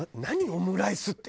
オムライスって。